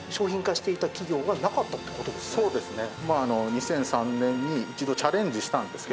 そうですね。